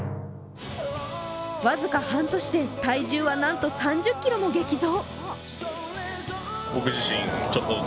僅か半年で体重はなんと３０ｋｇも激増。